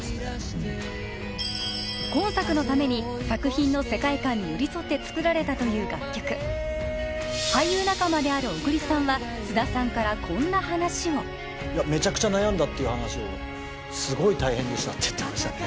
うん今作のために作品の世界観に寄り添って作られたという楽曲俳優仲間である小栗さんは菅田さんからこんな話をいやめちゃくちゃ悩んだっていう話をすごい大変でしたって言ってましたね